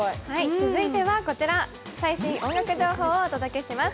続いては、最新音楽情報をお届けします。